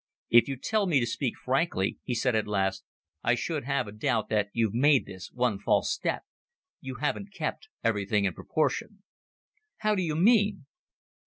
"If you tell me to speak frankly," he said at last, "I should have a doubt that you've made this one false step. You haven't kept everything in proportion." "How do you mean?"